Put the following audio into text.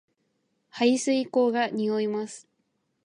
排水溝が臭います